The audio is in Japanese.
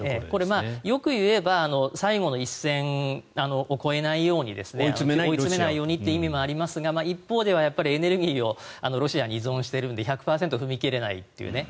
これはよく言えば最後の一線を越えないように追い詰めないようにという意味もありますが一方ではやっぱりエネルギーをロシアに依存しているので１００％踏み切れないという。